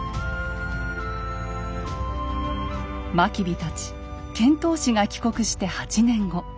真備たち遣唐使が帰国して８年後。